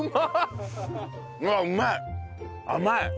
甘い！